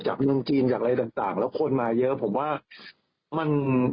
เมืองจีนจากอะไรต่างแล้วคนมาเยอะผมว่ามัน